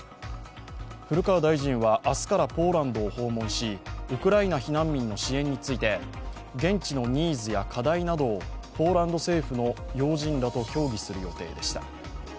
古川大臣は明日からポーランドを訪問しウクライナ避難民の支援について現地のニーズや課題などをポーランド政府の要人らと協議する予定でした。